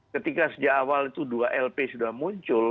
ketika sejak awal itu dua lp sudah muncul